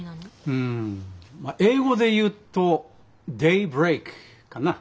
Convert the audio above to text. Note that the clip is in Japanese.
うん英語で言うと「デイ・ブレーク」かな。